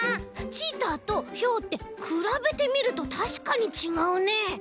チーターとヒョウってくらべてみるとたしかにちがうね。